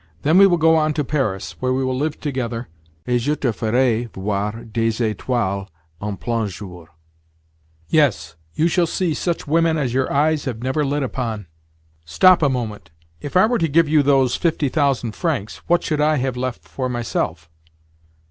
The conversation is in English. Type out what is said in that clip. Then we will go on to Paris, where we will live together, et je te ferai voir des étoiles en plein jour. Yes, you shall see such women as your eyes have never lit upon." "Stop a moment. If I were to give you those fifty thousand francs, what should I have left for myself?"